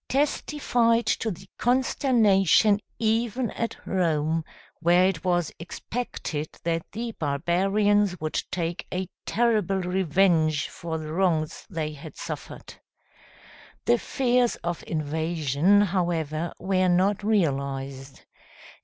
testified to the consternation even at Rome, where it was expected that the barbarians would take a terrible revenge for the wrongs they had suffered. The fears of invasion, however, were not realized.